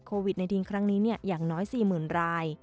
โควิดในดินครั้งนี้อย่างน้อย๔๐๐๐ราย